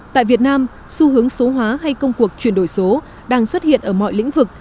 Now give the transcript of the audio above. tại việt nam xu hướng số hóa hay công cuộc chuyển đổi số đang xuất hiện ở mọi lĩnh vực